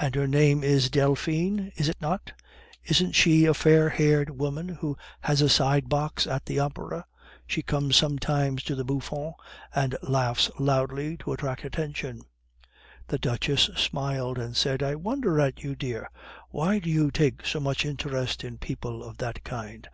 And her name is Delphine, is it not? Isn't she a fair haired woman who has a side box at the Opera? She comes sometimes to the Bouffons, and laughs loudly to attract attention." The Duchess smiled and said: "I wonder at you, dear. Why do you take so much interest in people of that kind?